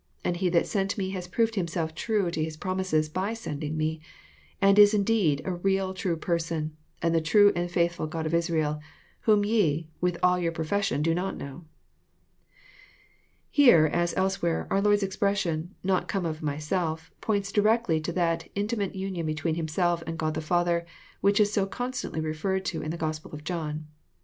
Andlle that sent me has proved Himself true to His promises by sending me, and is indeed a real true Person, the true and faithful God of Israel, whom ye, with all your profession, do not know." Here, as elsewhere, our Lord's expression, "not come of myself,'* points directly to that intimate union between Himself and God the Father, which is so constantly referred to in the Gospel of John.